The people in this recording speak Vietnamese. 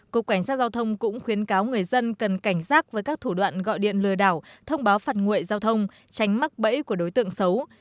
cục cảnh sát giao thông cũng khuyến cáo người dân cần cảnh giác với các thủ đoạn gọi điện lừa đảo thông báo phạt nguội giao thông tránh mắc bẫy của đối tượng xấu